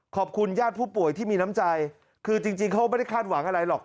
ขอบคุณญาติผู้ป่วยที่มีน้ำใจคือจริงเขาไม่ได้คาดหวังอะไรหรอก